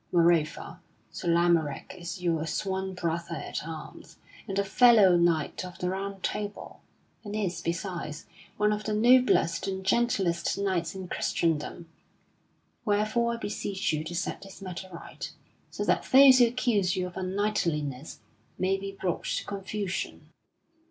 Moreover, Sir Lamorack is your sworn brother at arms, and a fellow knight of the Round Table, and is, besides, one of the noblest and gentlest knights in Christendom. Wherefore I beseech you to set this matter right, so that those who accuse you of unknightliness may be brought to confusion."